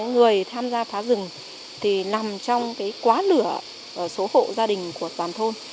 và số lượng người tham gia phá rừng thì nằm trong quá lửa số hộ gia đình của toàn thôn